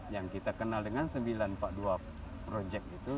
yang kita kenal dengan sembilan ratus empat puluh dua project itu